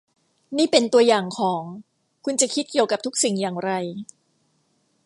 นี่เป็นตัวอย่างของ คุณจะคิดเกี่ยวกับทุกสิ่งอย่างไร